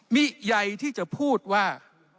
มิใยที่จะพูดว่า